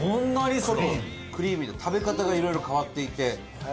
伊達：クリーミーで食べ方がいろいろ変わっていて。